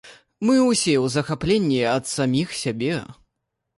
Мы ўсе ў захапленні ад саміх сябе.